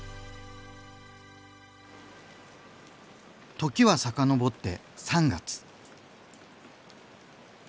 時は遡って３月。